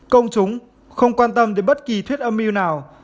công chúng không quan tâm đến bất kỳ thuyết âm mưu nào